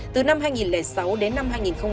từ năm hai nghìn sáu đến năm hai nghìn một mươi